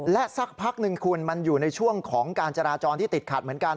และสักพักหนึ่งคุณมันอยู่ในช่วงของการจราจรที่ติดขัดเหมือนกัน